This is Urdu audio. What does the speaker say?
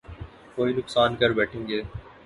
کوئی نقصان کر بیٹھیں گے